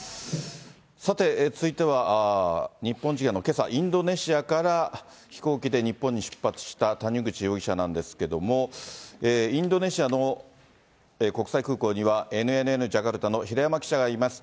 さて続いては、日本時間のけさ、インドネシアから飛行機で日本に出発した谷口容疑者なんですけれども、インドネシアの国際空港には、ＮＮＮジャカルタの平山記者がいます。